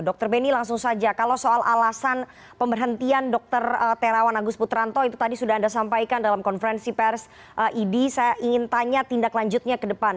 dr beni langsung saja kalau soal alasan pemberhentian dr terawan agus putranto itu tadi sudah anda sampaikan dalam konferensi pers idi saya ingin tanya tindak lanjutnya ke depan